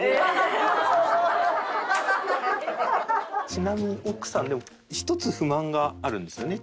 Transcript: ちなみに奥さんでも１つ不満があるんですよね？